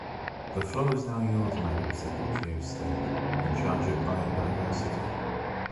The floor is now yours, Madam Secretary of State, in charge of biodiversity.